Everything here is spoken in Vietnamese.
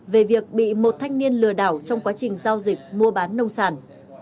về việc bị một thanh niên lừa đảo trong quá trình giao dịch mua bán nông sản